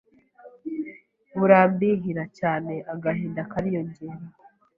burambihira cyane agahinda kariyongera,